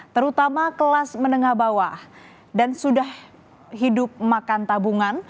terutama kelas menengah bawah dan sudah hidup makan tabungan